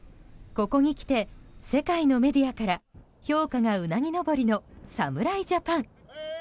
ここにきて世界のメディアから評価がうなぎ登りの侍ジャパン。